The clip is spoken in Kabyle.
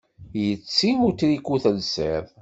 Yetti utriku i telsiḍ.